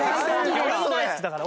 俺も大好きだから。